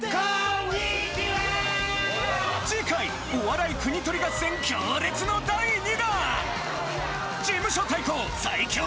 次回お笑い国盗り合戦強烈の第２弾！